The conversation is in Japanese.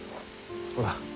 ほら。